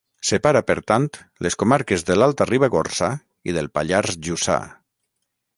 Separa, per tant, les comarques de l'Alta Ribagorça i del Pallars Jussà.